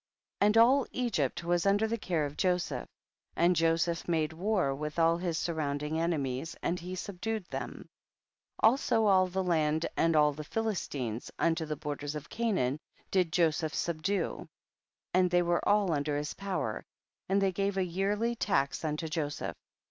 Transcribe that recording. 8. And all Egypt was under the care of Joseph, and Joseph made war with all his surrounding enemies, and he subdued ihem ; also all the land and all the Philistines, unto the borders of Canaan, did Joseph sub due, and they were all under his power and they gave a yearly tax unto Joseph.